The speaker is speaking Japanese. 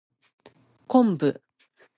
昆布